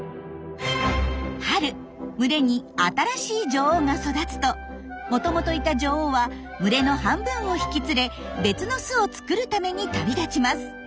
春群れに新しい女王が育つともともといた女王は群れの半分を引き連れ別の巣を作るために旅立ちます。